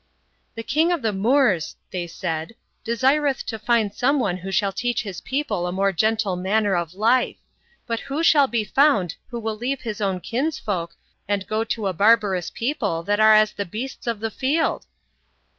" The King of the Moors," they said, " desireth to find some one who shall teach his people a more gentle manner of life ; but who shall be found that B.C. 850.] THE FOUNDING OF CARTHAGE. 51 will leave his own kinsfolk tnd go to a/barbarous people that are as the beasts of the field